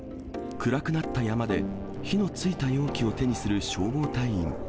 暗くなった山で、火のついた容器を手にする消防隊員。